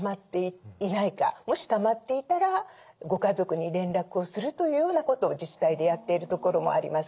もしたまっていたらご家族に連絡をするというようなことを自治体でやっているところもあります。